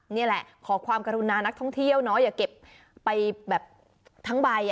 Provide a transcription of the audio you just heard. นี่แหละขอความกรุณานักท่องเที่ยวเนาะอย่าเก็บไปแบบทั้งใบ